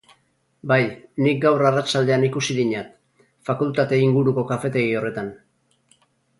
Bai, nik gaur arratsaldean ikusi dinat, fakultate inguruko kafetegi horretan.